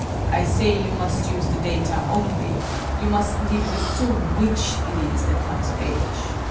"I say you must use the data only! You mustn't even assume which it is that comes of age!"